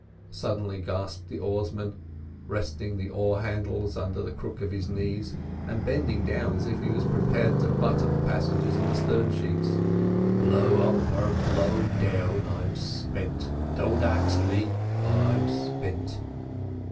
suddenly gasped the oarsman, resting the oar handles under the crook of his knees, and bending down as if he was preparing to butt at the passengers in the stern sheets. "Blow up or blow down, I'm spint—don't ax me, I'm spint!"